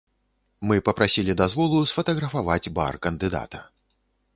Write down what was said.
Мы папрасілі дазволу сфатаграфаваць бар кандыдата.